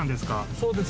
そうです。